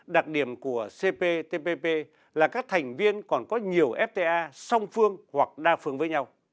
đặc điểm của cptpp là các thành viên còn có nhiều fta song phương hoặc đa phương với nhau